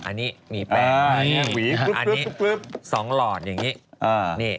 อันนี้มีแป้งอันนี้๒หลอดอย่างนี้